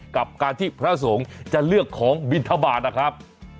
กับการที่พระสงฆ์จะเลือกของบินทบาทนะครับ